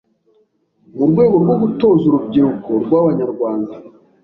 Mu rwego rwo gutoza urubyiruko rw’abanyarwanda